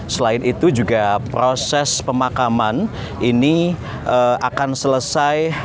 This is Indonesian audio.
selain itu juga proses pemakaman ini akan selesai